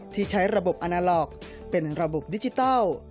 ที่ใช้ระบบอนาล็อกเป็นระบบดิจิทัล